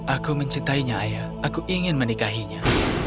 aku mencintainya ayah aku ingin menikahinya